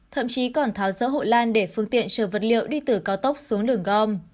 thậm chí còn tháo rỡ hộ lan để phương tiện chở vật liệu đi từ cao tốc xuống đường gom